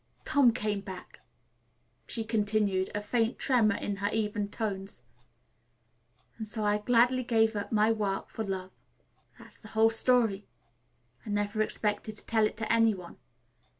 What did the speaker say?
"Tom came back," she continued, a faint tremor in her even tones, "and so I gladly gave up my work for love. That's the whole story. I never expected to tell it to any one.